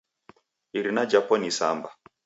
Irina jhapo ni Samba.